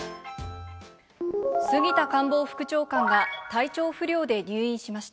杉田官房副長官が、体調不良で入院しました。